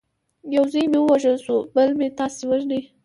یو زوی مې ووژل شو بل مې تاسي وژنئ.